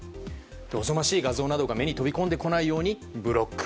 おぞましい画像が目に飛び込んでこないようにブロック。